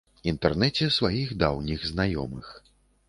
Інтэрнэце сваіх даўніх знаёмых.